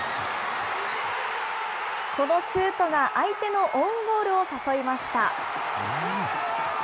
このシュートが相手のオウンゴールを誘いました。